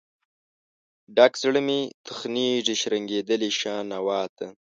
ډک زړه مې تخنیږي، شرنګیدلې شان نوا ته